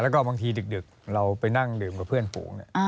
แล้วก็บางทีดึกเราไปนั่งดื่มกับเพื่อนฝูง